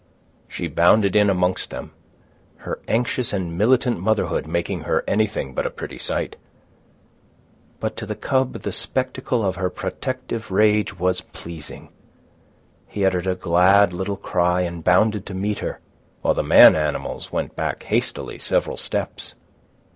She bounded in amongst them, her anxious and militant motherhood making her anything but a pretty sight. But to the cub the spectacle of her protective rage was pleasing. He uttered a glad little cry and bounded to meet her, while the man animals went back hastily several steps.